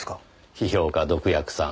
批評家毒薬さん